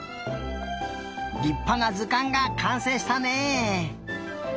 りっぱなずかんがかんせいしたね。